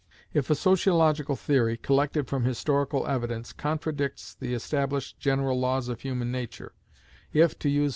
If a sociological theory, collected from historical evidence, contradicts the established general laws of human nature; if (to use M.